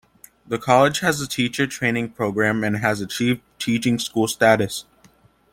The College has a teacher training programme and has achieved Teaching School status.